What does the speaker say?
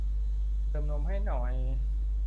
เติมนมไปหน่อย